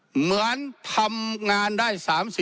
เหมือนทำงานได้๓๐